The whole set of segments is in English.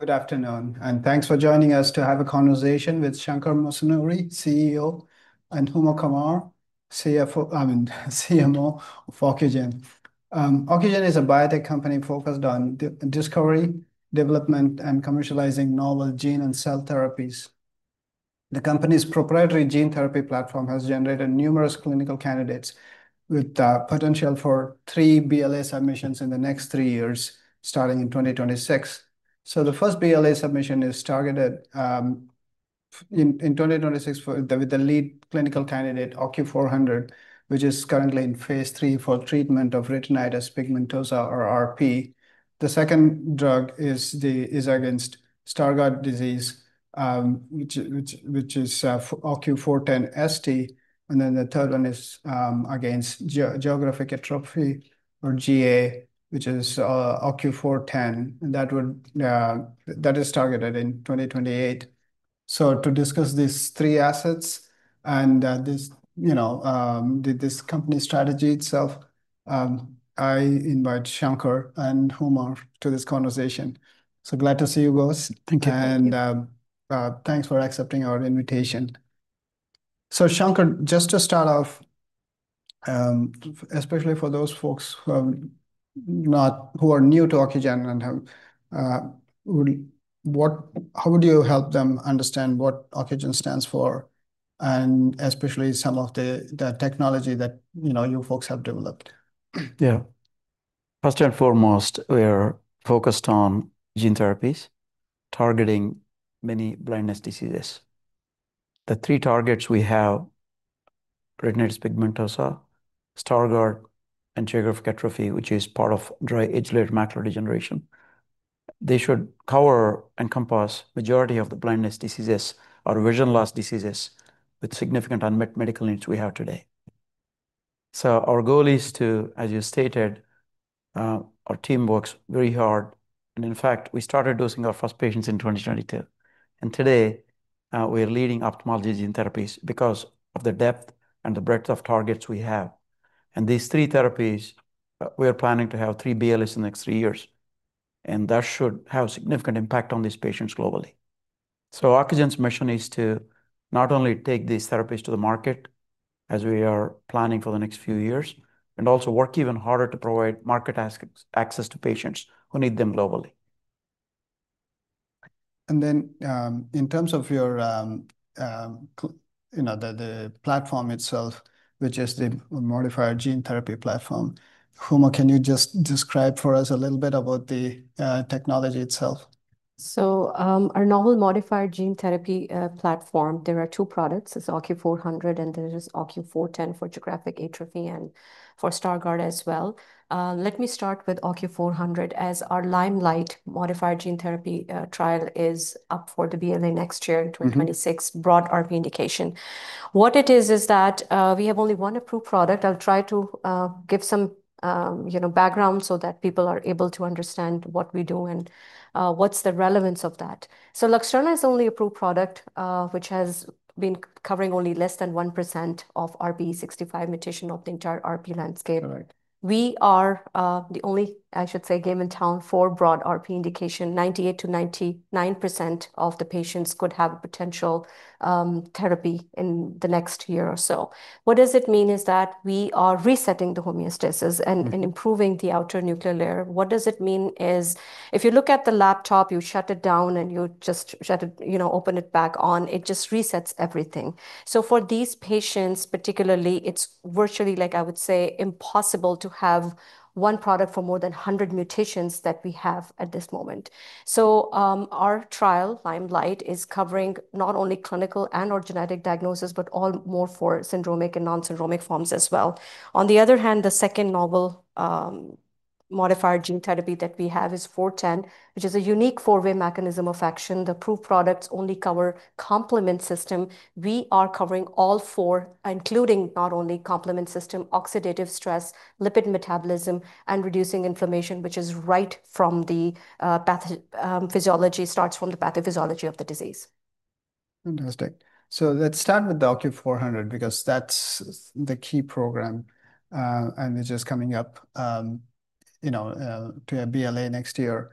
Good afternoon, and thanks for joining us to have a conversation with Shankar Musunuri, CEO, and Huma Qamar, CFO—I mean, CMO of Ocugen. Ocugen is a biotech company focused on discovery, development, and commercializing novel gene and cell therapies. The company's proprietary gene therapy platform has generated numerous clinical candidates with potential for three BLA submissions in the next three years, starting in 2026, so the first BLA submission is targeted in 2026 with the lead clinical candidate, OCU400, which is currently in Phase 3 for treatment of retinitis pigmentosa, or RP. The second drug is against Stargardt disease, which is OCU410ST, and then the third one is against geographic atrophy, or GA, which is OCU410. And that is targeted in 2028, so to discuss these three assets and this company strategy itself, I invite Shankar and Huma to this conversation, so glad to see you both. Thank you. And thanks for accepting our invitation. So Shankar, just to start off, especially for those folks who are new to Ocugen and how would you help them understand what Ocugen stands for, and especially some of the technology that you folks have developed? Yeah. First and foremost, we're focused on gene therapies targeting many blindness diseases. The three targets we have: retinitis pigmentosa, Stargardt, and geographic atrophy, which is part of dry age-related macular degeneration. They should cover and encompass the majority of the blindness diseases or vision loss diseases with significant unmet medical needs we have today. So our goal is to, as you stated, our team works very hard. And in fact, we started dosing our first patients in 2022. And today, we're leading ophthalmology gene therapies because of the depth and the breadth of targets we have. And these three therapies, we are planning to have three BLAs in the next three years, and that should have a significant impact on these patients globally. So Ocugen's mission is to not only take these therapies to the market, as we are planning for the next few years, and also work even harder to provide market access to patients who need them globally. Then in terms of the platform itself, which is the modifier gene therapy platform, Huma, can you just describe for us a little bit about the technology itself? Our novel modified gene therapy platform, there are two products. It's OCU400, and there is OCU410 for geographic atrophy and for Stargardt as well. Let me start with OCU400, as our liMeliGhT modified gene therapy trial is up for the BLA next year, 2026, broad RP indication. What it is, is that we have only one approved product. I'll try to give some background so that people are able to understand what we do and what's the relevance of that. Luxturna is the only approved product which has been covering only less than 1% of RPE65 mutation of the entire RP landscape. We are the only, I should say, game in town for broad RP indication. 98%-99% of the patients could have potential therapy in the next year or so. What does it mean is that we are resetting the homeostasis and improving the outer nuclear layer. What does it mean is if you look at the laptop, you shut it down and you just open it back on, it just resets everything. So for these patients, particularly, it's virtually, like I would say, impossible to have one product for more than 100 mutations that we have at this moment. So our trial, liMeliGhT, is covering not only clinical and/or genetic diagnosis, but all more for syndromic and non-syndromic forms as well. On the other hand, the second novel modified gene therapy that we have is 410, which is a unique four-way mechanism of action. The approved products only cover complement system. We are covering all four, including not only complement system, oxidative stress, lipid metabolism, and reducing inflammation, which is right from the pathophysiology of the disease. Fantastic. So let's start with the OCU400 because that's the key program, and it's just coming up to a BLA next year.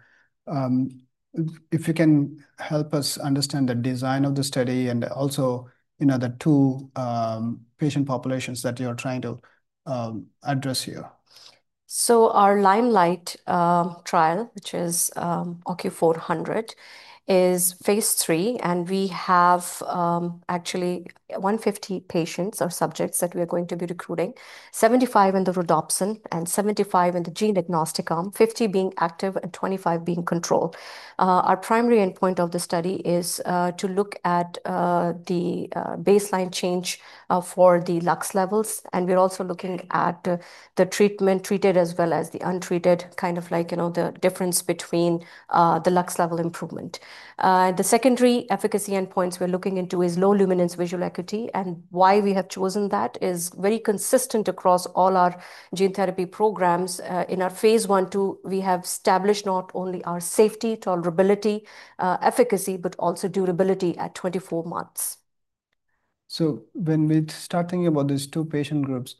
If you can help us understand the design of the study and also the two patient populations that you're trying to address here. So our liMeliGhT trial, which is OCU400, is Phase 3, and we have actually 150 patients or subjects that we are going to be recruiting: 75 in the rhodopsin and 75 in the gene-agnostic arm, 50 being active and 25 being control. Our primary endpoint of the study is to look at the baseline change for the lux levels, and we're also looking at the treated as well as the untreated, kind of like the difference between the lux level improvement. The secondary efficacy endpoints we're looking into is low luminance visual acuity, and why we have chosen that is very consistent across all our gene therapy programs. In our Phase 1/2, we have established not only our safety, tolerability, efficacy, but also durability at 24 months. So when we start thinking about these two patient groups,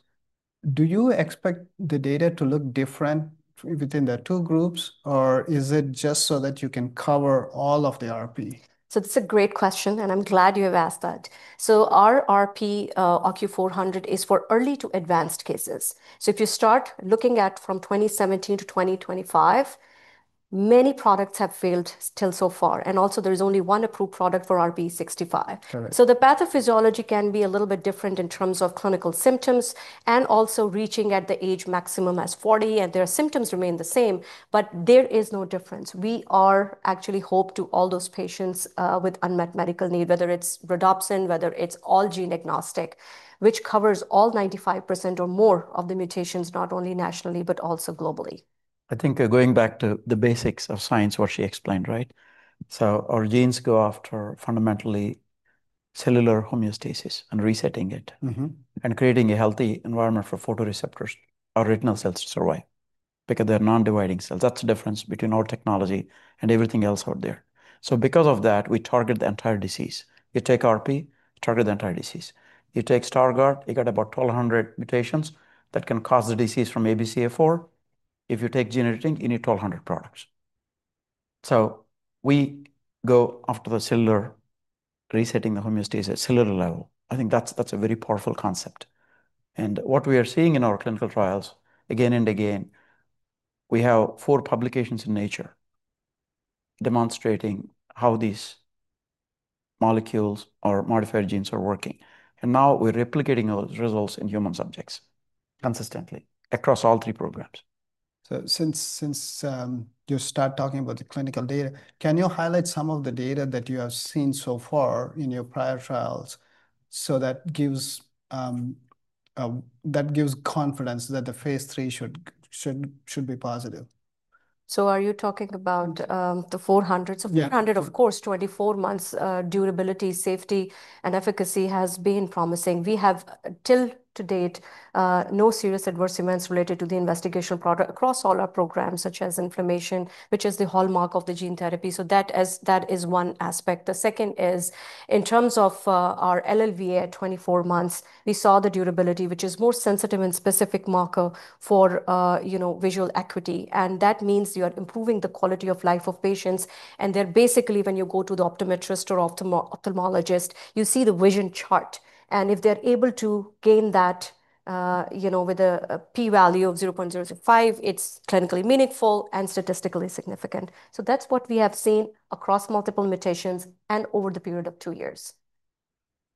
do you expect the data to look different within the two groups, or is it just so that you can cover all of the RP? That's a great question, and I'm glad you have asked that. Our RP, OCU400, is for early to advanced cases. If you start looking at from 2017 to 2025, many products have failed till so far, and also there is only one approved product for RPE65. The pathophysiology can be a little bit different in terms of clinical symptoms and also reaching at the age maximum as 40, and their symptoms remain the same, but there is no difference. We actually hope to all those patients with unmet medical need, whether it's rhodopsin, whether it's all gene agnostic, which covers all 95% or more of the mutations, not only nationally, but also globally. I think going back to the basics of science, what she explained, right? So our genes go after fundamentally cellular homeostasis and resetting it and creating a healthy environment for photoreceptors or retinal cells to survive because they're non-dividing cells. That's the difference between our technology and everything else out there. So because of that, we target the entire disease. You take RP, you target the entire disease. You take Stargardt, you got about 1,200 mutations that can cause the disease from ABCA4. If you take gene editing, you need 1,200 products. So we go after the cellular, resetting the homeostasis at cellular level. I think that's a very powerful concept. And what we are seeing in our clinical trials, again and again, we have four publications in Nature demonstrating how these molecules or modified genes are working. Now we're replicating those results in human subjects consistently across all three programs. Since you start talking about the clinical data, can you highlight some of the data that you have seen so far in your prior trials? So that gives confidence that the Phase 3 should be positive. Are you talking about the 400s? Yeah. Of course, 24 months durability, safety, and efficacy has been promising. We have, to date, no serious adverse events related to the investigational product across all our programs, such as inflammation, which is the hallmark of the gene therapy. So that is one aspect. The second is in terms of our LLVA at 24 months. We saw the durability, which is more sensitive and specific marker for visual acuity. And that means you are improving the quality of life of patients. And they're basically, when you go to the optometrist or ophthalmologist, you see the vision chart. And if they're able to gain that with a p-value of 0.05, it's clinically meaningful and statistically significant. So that's what we have seen across multiple mutations and over the period of two years.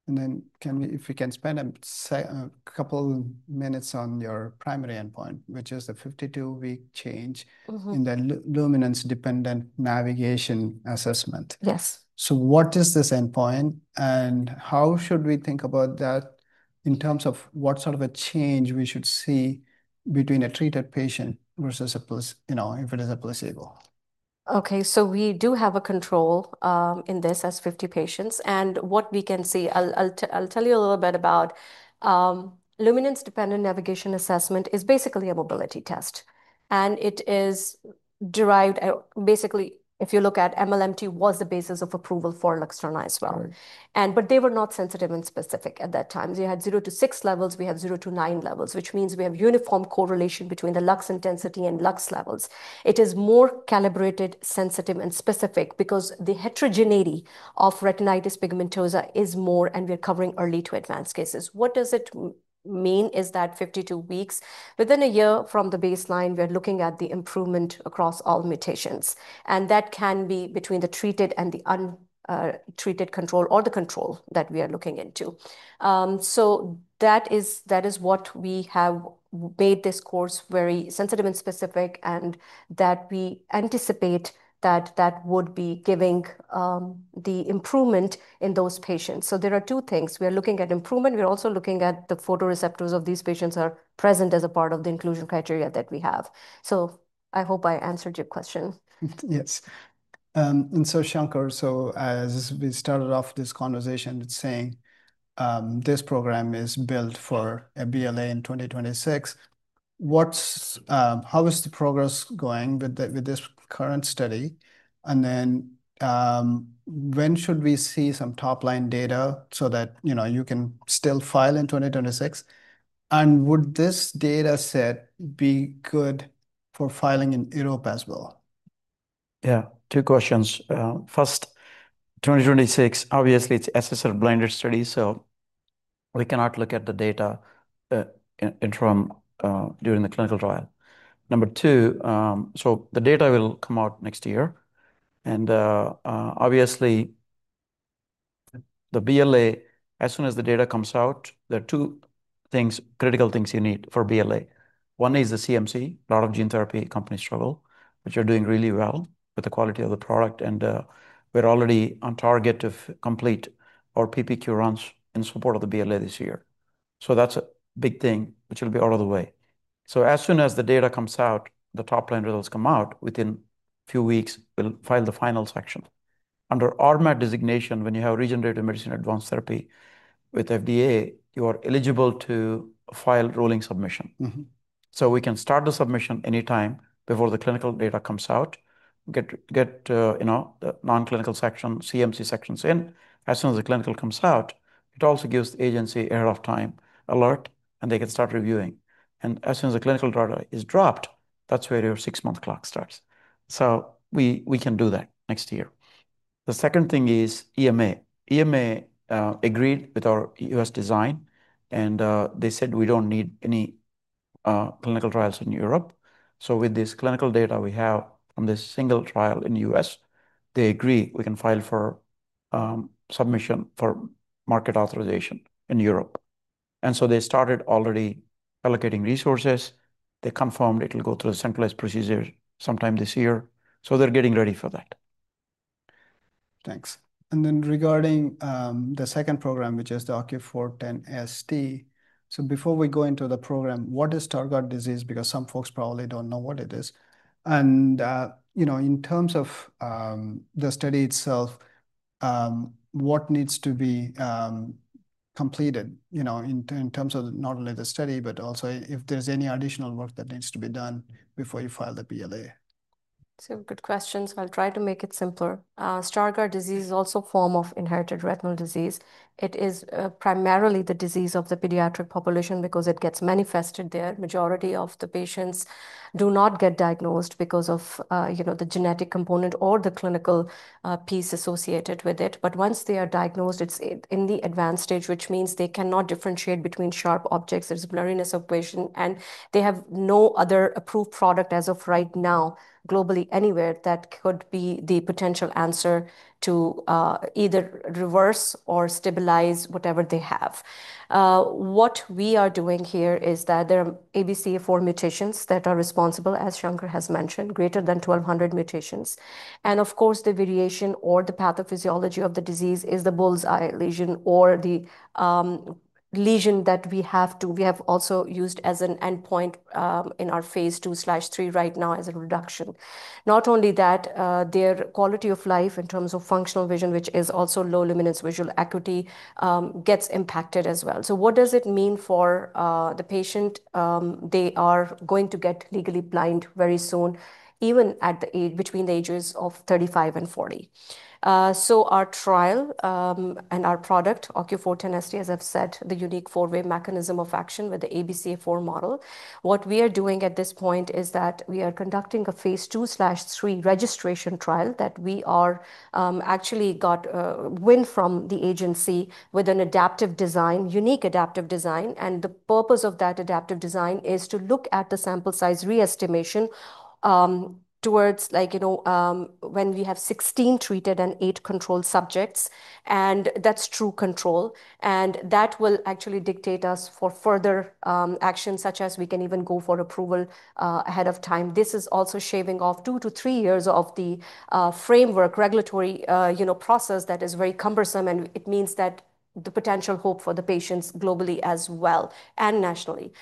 If we can spend a couple minutes on your primary endpoint, which is the 52-week change in the Luminance-Dependent Navigation Assessment. Yes. So what is this endpoint, and how should we think about that in terms of what sort of a change we should see between a treated patient versus if it is a placebo? Okay, so we do have a control in this as 50 patients. And what we can see, I'll tell you a little bit about Luminance-Dependent Navigation Assessment is basically a mobility test. And it is derived, basically, if you look at MLMT was the basis of approval for Luxturna as well. But they were not sensitive and specific at that time. So you had zero to six levels, we have zero to nine levels, which means we have uniform correlation between the lux intensity and lux levels. It is more calibrated, sensitive, and specific because the heterogeneity of retinitis pigmentosa is more, and we're covering early to advanced cases. What does it mean is that 52 weeks, within a year from the baseline, we're looking at the improvement across all mutations. And that can be between the treated and the untreated control or the control that we are looking into. That is what we have made this course very sensitive and specific, and that we anticipate that that would be giving the improvement in those patients. There are two things. We are looking at improvement. We're also looking at the photoreceptors of these patients are present as a part of the inclusion criteria that we have. I hope I answered your question. Yes, and so, Shankar, as we started off this conversation, it's saying this program is built for a BLA in 2026. How is the progress going with this current study? And then when should we see some top-line data so that you can still file in 2026? And would this dataset be good for filing in Europe as well? Yeah, two questions. First, 2026, obviously. It's assessor-blinded study, so we cannot look at the data during the clinical trial. Number two, so the data will come out next year, and obviously, the BLA, as soon as the data comes out, there are two critical things you need for BLA. One is the CMC. A lot of gene therapy companies struggle, which are doing really well with the quality of the product, and we're already on target to complete our PPQ runs in support of the BLA this year. So that's a big thing, which will be out of the way, so as soon as the data comes out, the top-line results come out, within a few weeks, we'll file the final section. Under RMAT designation, when you have regenerative medicine advanced therapy with FDA, you are eligible to file rolling submission. So we can start the submission anytime before the clinical data comes out, get the non-clinical section, CMC sections in. As soon as the clinical comes out, it also gives the agency ahead of time alert, and they can start reviewing, and as soon as the clinical data is dropped, that's where your six-month clock starts, so we can do that next year. The second thing is EMA. EMA agreed with our U.S. design, and they said we don't need any clinical trials in Europe. So with this clinical data we have from this single trial in the U.S., they agree we can file for submission for market authorization in Europe, and so they started already allocating resources. They confirmed it will go through the centralized procedure sometime this year, so they're getting ready for that. Thanks. And then regarding the second program, which is the OCU410ST, so before we go into the program, what is Stargardt disease? Because some folks probably don't know what it is. And in terms of the study itself, what needs to be completed in terms of not only the study, but also if there's any additional work that needs to be done before you file the BLA? Good questions. I'll try to make it simpler. Stargardt disease is also a form of inherited retinal disease. It is primarily the disease of the pediatric population because it gets manifested there. Majority of the patients do not get diagnosed because of the genetic component or the clinical piece associated with it. But once they are diagnosed, it's in the advanced stage, which means they cannot differentiate between sharp objects. There's blurriness of vision, and they have no other approved product as of right now globally anywhere that could be the potential answer to either reverse or stabilize whatever they have. What we are doing here is that there are ABCA4 mutations that are responsible, as Shankar has mentioned, greater than 1,200 mutations. Of course, the variation or the pathophysiology of the disease is the bull's eye lesion or the lesion that we have also used as an endpoint in our Phase 2/3 right now as a reduction. Not only that, their quality of life in terms of functional vision, which is also low luminance visual acuity, gets impacted as well. What does it mean for the patient? They are going to get legally blind very soon, even at the ages of 35 and 40. Our trial and our product, OCU410ST, as I've said, the unique four-way mechanism of action with the ABCA4 model. What we are doing at this point is that we are conducting a Phase 2/3 registration trial that we actually got RMAT from the agency with an adaptive design, unique adaptive design. The purpose of that adaptive design is to look at the sample size re-estimation towards when we have 16 treated and eight controlled subjects. And that's true control. And that will actually dictate us for further action, such as we can even go for approval ahead of time. This is also shaving off two to three years of the framework regulatory process that is very cumbersome, and it means that the potential hope for the patients globally as well and nationally.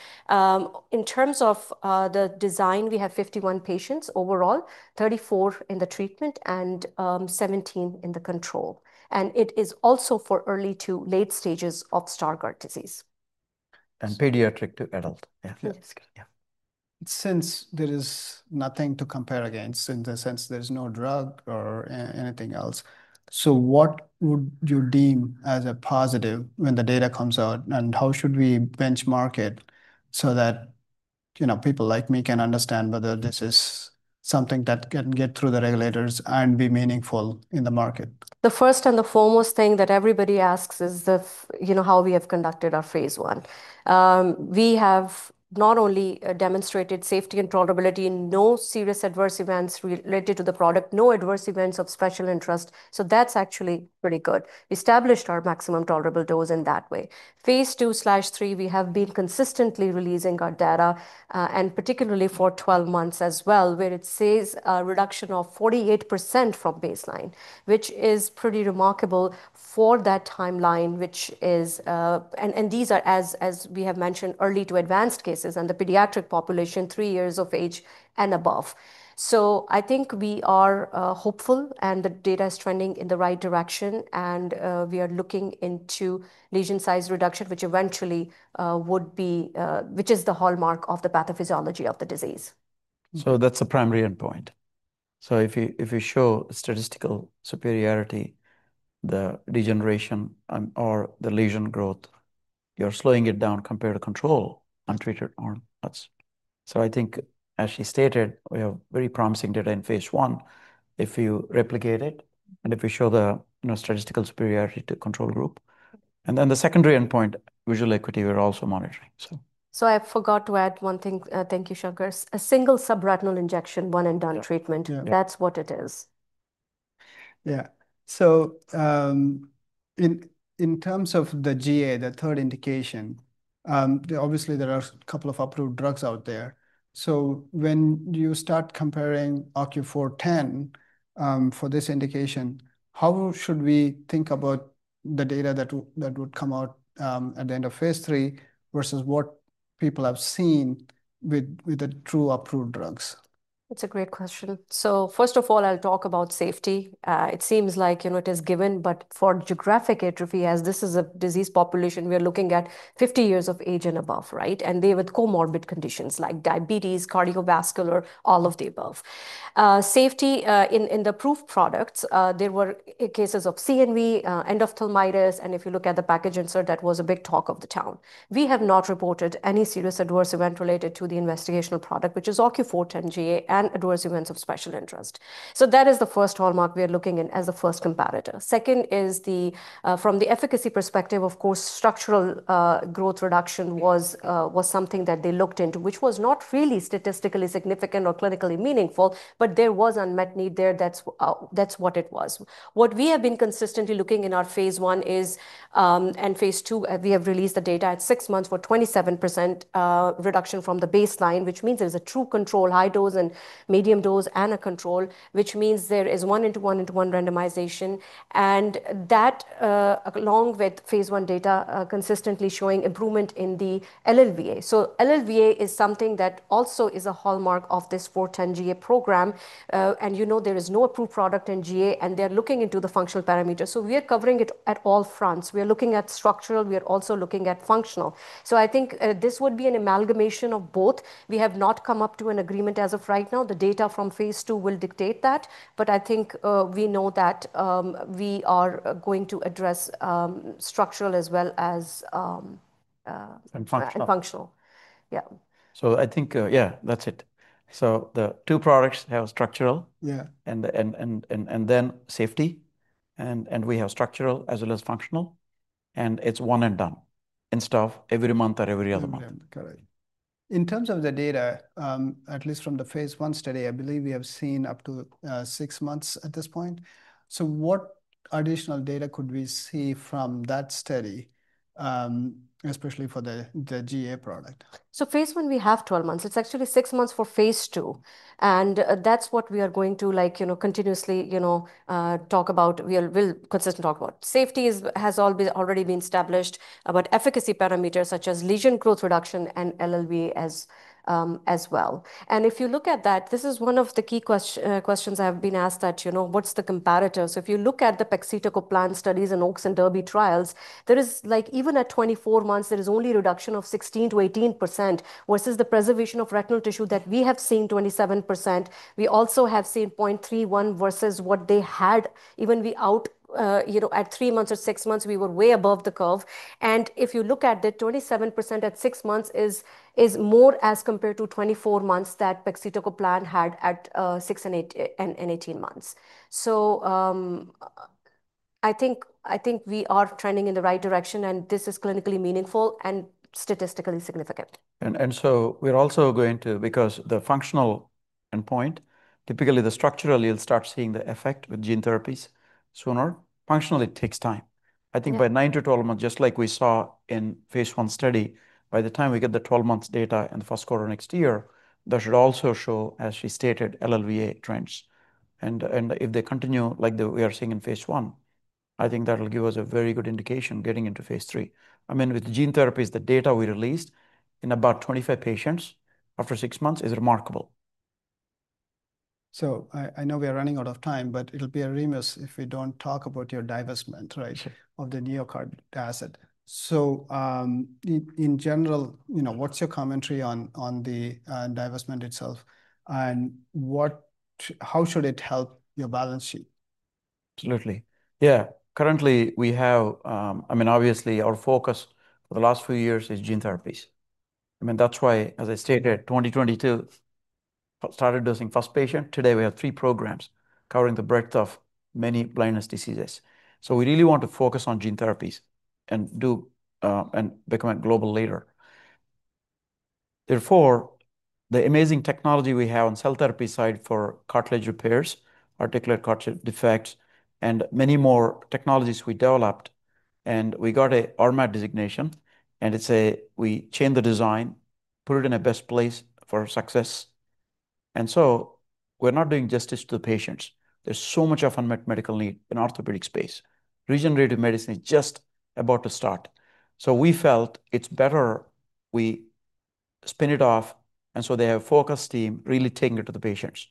In terms of the design, we have 51 patients overall, 34 in the treatment, and 17 in the control. And it is also for early to late stages of Stargardt disease. Pediatric to adult. Yes. Since there is nothing to compare against, in the sense there's no drug or anything else, so what would you deem as a positive when the data comes out, and how should we benchmark it so that people like me can understand whether this is something that can get through the regulators and be meaningful in the market? The first and foremost thing that everybody asks is how we have conducted our Phase 1. We have not only demonstrated safety and tolerability. No serious adverse events related to the product. No adverse events of special interest. So that's actually pretty good. We established our maximum tolerable dose in that way. Phase 2/3, we have been consistently releasing our data, and particularly for 12 months as well, where it says a reduction of 48% from baseline, which is pretty remarkable for that timeline, which is, and these are, as we have mentioned, early to advanced cases and the pediatric population, three years of age and above. So I think we are hopeful, and the data is trending in the right direction, and we are looking into lesion size reduction, which eventually would be, which is the hallmark of the pathophysiology of the disease. That's the primary endpoint. If you show statistical superiority, the degeneration or the lesion growth, you're slowing it down compared to control untreated or not. I think, as she stated, we have very promising data in Phase 1 if you replicate it and if you show the statistical superiority to control group. Then the secondary endpoint, visual acuity, we're also monitoring. So I forgot to add one thing. Thank you, Shankar. A single subretinal injection, one-and-done treatment. That's what it is. Yeah. So in terms of the GA, the third indication, obviously, there are a couple of approved drugs out there. So when you start comparing OCU410 for this indication, how should we think about the data that would come out at the end of Phase 3 versus what people have seen with the true approved drugs? That's a great question. So first of all, I'll talk about safety. It seems like it is given, but for geographic atrophy, as this is a disease population, we are looking at 50 years of age and above, right? And they with comorbid conditions like diabetes, cardiovascular, all of the above. Safety in the approved products, there were cases of CNV, endophthalmitis, and if you look at the package insert, that was a big talk of the town. We have not reported any serious adverse event related to the investigational product, which is OCU410 and adverse events of special interest. So that is the first hallmark we are looking in as the first comparator. Second is the, from the efficacy perspective, of course, structural growth reduction was something that they looked into, which was not really statistically significant or clinically meaningful, but there was unmet need there. That's what it was. What we have been consistently looking in our Phase 1 is, and Phase 2, we have released the data at six months for 27% reduction from the baseline, which means there's a true control, high dose and medium dose and a control, which means there is one into one into one randomization, and that, along with Phase 1 data, consistently showing improvement in the LLVA. LLVA is something that also is a hallmark of this OCU410 GA program. There is no approved product in GA, and they are looking into the functional parameters. We are covering it at all fronts. We are looking at structural. We are also looking at functional. I think this would be an amalgamation of both. We have not come up to an agreement as of right now. The data from Phase two will dictate that. But I think we know that we are going to address structural as well as. And functional. Functional. Yeah. So I think, yeah, that's it. So the two products have structural. Yeah. And then safety. And we have structural as well as functional. And it's one and done instead of every month or every other month. Correct. In terms of the data, at least from the Phase 1 study, I believe we have seen up to six months at this point, so what additional data could we see from that study, especially for the GA product? Phase 1, we have 12 months. It's actually six months for Phase two. That's what we are going to continuously talk about. We'll consistently talk about. Safety has already been established, but efficacy parameters such as lesion growth reduction and LLVA as well. If you look at that, this is one of the key questions I have been asked, that what's the comparator? If you look at the pegcetacoplan studies and OAKS and DERBY trials, there is even at 24 months, there is only reduction of 16%-18% versus the preservation of retinal tissue that we have seen 27%. We also have seen 0.31 versus what they had even without at three months or six months, we were way above the curve. If you look at the 27% at six months is more as compared to 24% that pegcetacoplan had at six and 18 months. I think we are trending in the right direction, and this is clinically meaningful and statistically significant. We're also going to, because the functional endpoint, typically the structural, you'll start seeing the effect with gene therapies sooner. Functionally, it takes time. I think by nine to 12 months, just like we saw in Phase 1 study, by the time we get the 12-month data and the first quarter next year, that should also show, as she stated, LLVA trends. And if they continue like we are seeing in Phase 1, I think that'll give us a very good indication getting into Phase 3. I mean, with gene therapies, the data we released in about 25 patients after six months is remarkable. So I know we are running out of time, but it'll be remiss if we don't talk about your divestment, right, of the NeoCart asset. So in general, what's your commentary on the divestment itself and how should it help your balance sheet? Absolutely. Yeah. Currently, we have, I mean, obviously, our focus for the last few years is gene therapies. I mean, that's why, as I stated, 2022, started dosing first patient. Today, we have three programs covering the breadth of many blindness diseases. So we really want to focus on gene therapies and become a global leader. Therefore, the amazing technology we have on cell therapy side for cartilage repairs, articular cartilage defects, and many more technologies we developed, and we got an RMAT designation, and it's a we change the design, put it in a best place for success. And so we're not doing justice to the patients. There's so much of unmet medical need in the orthopedic space. Regenerative medicine is just about to start. So we felt it's better we spin it off. And so they have a focus team really taking it to the patients.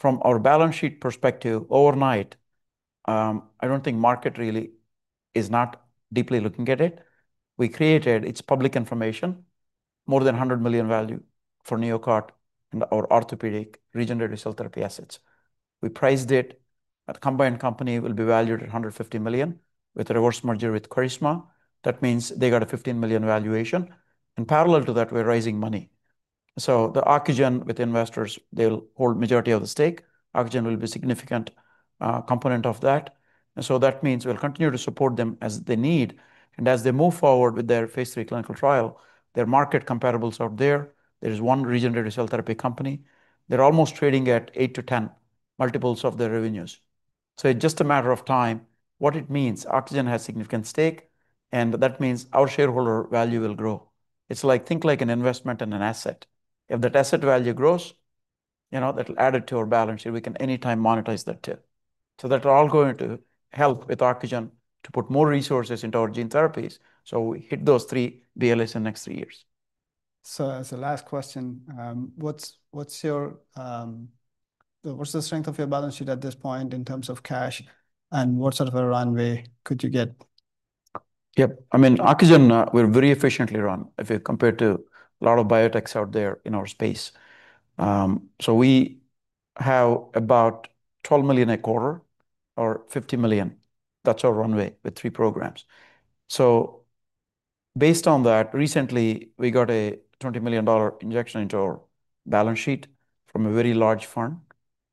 From our balance sheet perspective, overnight, I don't think market really is not deeply looking at it. We created, it's public information, more than $100 million value for NeoCart and our orthopedic regenerative cell therapy assets. We priced it. A combined company will be valued at $150 million with a reverse merger with Carisma. That means they got a $15 million valuation. In parallel to that, we're raising money. So the Ocugen with investors, they'll hold majority of the stake. Ocugen will be a significant component of that. And so that means we'll continue to support them as they need. And as they move forward with their Phase 3 clinical trial, their market comparables are there. There is one regenerative cell therapy company. They're almost trading at 8 to 10 multiples of their revenues. So it's just a matter of time. What it means, Ocugen has a significant stake, and that means our shareholder value will grow. It's like think like an investment in an asset. If that asset value grows, that'll add it to our balance sheet. We can anytime monetize that too. So that's all going to help with Ocugen to put more resources into our gene therapies. So we hit those three BLAs in the next three years. So as a last question, what's the strength of your balance sheet at this point in terms of cash, and what sort of a runway could you get? Yep. I mean, Ocugen, we're very efficiently run if you compare to a lot of biotechs out there in our space. So we have about $12 million a quarter or $50 million. That's our runway with three programs. So based on that, recently, we got a $20 million injection into our balance sheet from a very large fund.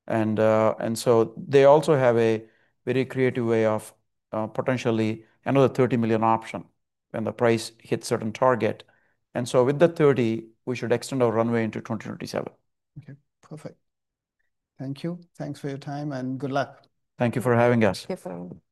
And so they also have a very creative way of potentially another $30 million option when the price hits certain target. And so with the $30, we should extend our runway into 2027. Okay. Perfect. Thank you. Thanks for your time, and good luck. Thank you for having us. Thank you for having me.